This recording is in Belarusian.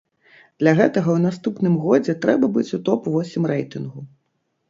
Для гэтага ў наступным годзе трэба быць у топ-восем рэйтынгу.